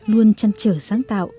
luôn trăn trở sáng tạo